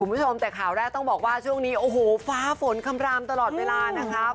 คุณผู้ชมแต่ข่าวแรกต้องบอกว่าช่วงนี้โอ้โหฟ้าฝนคำรามตลอดเวลานะครับ